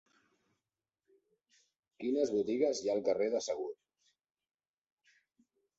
Quines botigues hi ha al carrer de Segur?